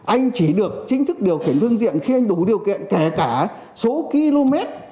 anh chỉ được chính thức điều khiển phương tiện khi anh đủ điều kiện kể cả số km